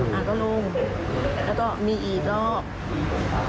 หาก็ลงแล้วก็มีอีกก็